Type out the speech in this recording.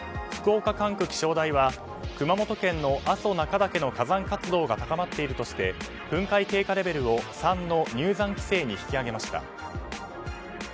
福岡管区気象台は熊本県の阿蘇中岳の火山活動が高まっているとして噴火警戒レベルを３の入山規制に引き上げました。